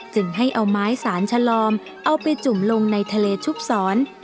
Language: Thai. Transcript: จึงให้เอาไม้สารชะลอมเอาไปจุ่มลงในทะเลชุบสอน